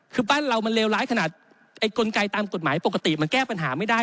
คือบ้านเรามันเลวร้ายขนาดไอ้กลไกตามกฎหมายปกติมันแก้ปัญหาไม่ได้